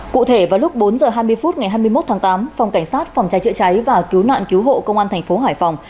cụ thể vào lúc bốn h hai mươi phút ngày hai mươi một tháng tám phòng cảnh sát phòng cháy chữa cháy và cứu nạn cứu hộ công an thành phố hải phòng